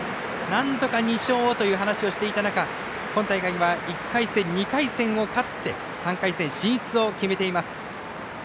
なんとか２勝をという話をしていた中、今大会は１回戦、２回戦を勝って３回戦進出を決めています。